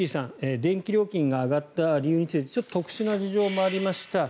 電気料金が上がった理由についてちょっと特殊な事情もありました。